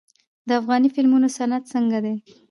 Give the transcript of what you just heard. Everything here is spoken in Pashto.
د افغاني فلمونو صنعت څنګه دی؟